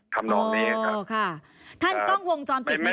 คำนองนี้เองครับ